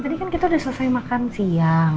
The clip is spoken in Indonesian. tadi kan kita udah selesai makan siang